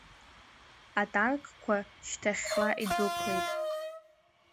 Атанкқәа шьҭахьла идәықәлеит.